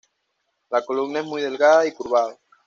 La columna es muy delgada, y curvado.